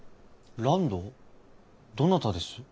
どなたです？